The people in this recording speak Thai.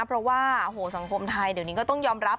เพราะว่าโอ้โหสังคมไทยเดี๋ยวนี้ก็ต้องยอมรับ